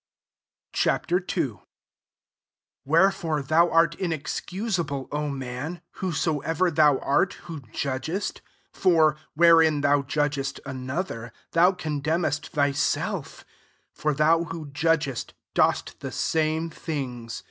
Ch. II. 1 Wherefore thou art inexcusable, O man, whoso ever thou art, who judgest : for, wherein thou judgest another, thou condemnest thyself; for thou who judgest dost the same things.